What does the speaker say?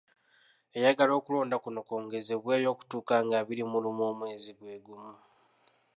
Eyagala okulonda kuno kwongezebweyo okutuuka nga abiri mu lumu omwezi gwe gumu.